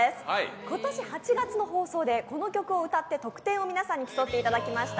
今年８月の放送でこの曲を歌って得点を皆さんに競っていただきました。